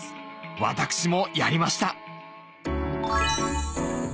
私もやりました！